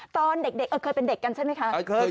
ตอนเด็กเคยเป็นเด็กกันใช่ไหมคะ